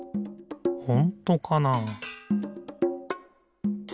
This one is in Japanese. ほんとかな？